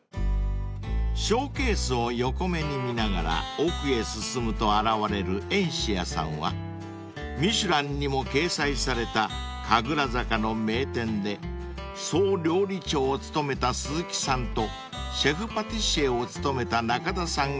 ［ショーケースを横目に見ながら奥へ進むと現れるｅｎｓｉａ．さんはミシュランにも掲載された神楽坂の名店で総料理長を務めた鈴木さんとシェフパティシエを務めた中田さんがタッグを組み